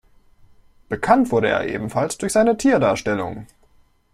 Bekannt wurde er ebenfalls durch seine Tierdarstellungen.